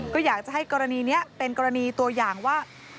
ก็อยากจะให้กรณีนี้เป็นกรณีตัวอย่างว่า